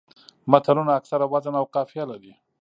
متلونه اکثره وزن او قافیه لري